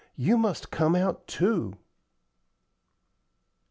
You must come out, too."